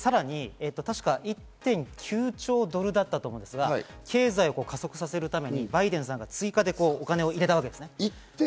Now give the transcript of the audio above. さらにたしか、１．９兆ドルだったと思うんですが、経済を加速させるためにバイデンさんが追加でお金を入れました。